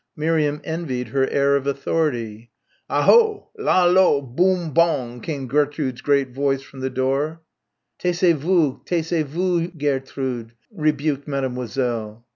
Miriam envied her air of authority. "Ah ho! Là là Boum Bong!" came Gertrude's great voice from the door. "Taisez vous, taisez vous, Jair trude," rebuked Mademoiselle.